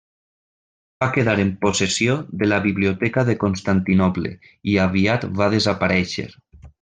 Va quedar en possessió de la Biblioteca de Constantinoble i aviat va desaparèixer.